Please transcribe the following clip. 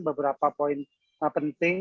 beberapa poin penting